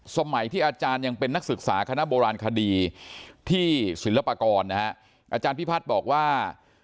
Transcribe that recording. สมัยที่อาจารย์ยังเป็นนักศึกษาคณะโบราณคดีที่ศิลปากรนะฮะอาจารย์พิพัฒน์บอกว่า